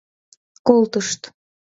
Колтышт.